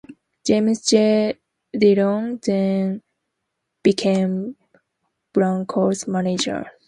James J. Dillon then became Blanchard's manager.